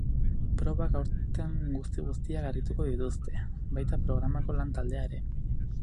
Probak aurten guzti-guztiak harrituko dituzte, baita programako lan-taldea ere.